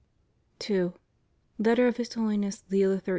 II. Letter of His Holiness Leo XIII.